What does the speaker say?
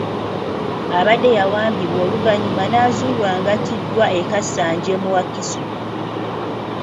Abadde yawambibwa oluvannyuma n'azuulwa nga attiddwa e Kasengejje mu Wakiso.